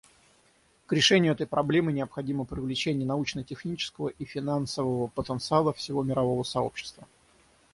К решению этой проблемы необходимо привлечение научно-технического и финансового потенциала всего мирового сообщества.